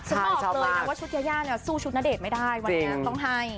บอกเลยนะว่าชุดยายาเนี่ยสู้ชุดณเดชน์ไม่ได้วันนี้ต้องให้